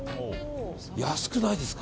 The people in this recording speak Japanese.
安くないですか？